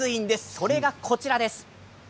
それが、こちらです。